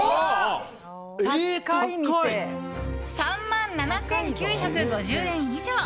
３万７９５０円以上！